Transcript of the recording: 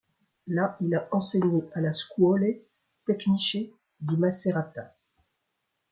Là, il a enseigné à la Scuole Tecniche di Macerata.